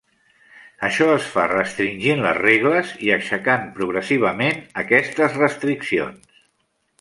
Això es fa restringint les regles i aixecant progressivament aquestes restriccions.